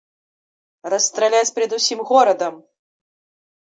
Расстраляць перад усім горадам!